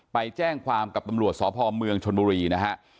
ไปแจ้งความกับตำรวจสพเมืองชนบุรีนะฮะ